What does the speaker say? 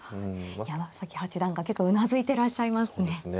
山崎八段が結構うなずいていらっしゃいますね。